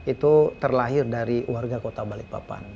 itu terlahir dari warga kota balikpapan